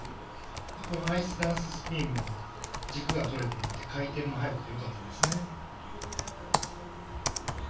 このアイスダンススピンも軸が取れていて回転も速くてよかったですね。